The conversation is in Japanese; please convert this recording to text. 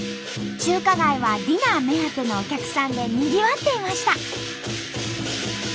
中華街はディナー目当てのお客さんでにぎわっていました。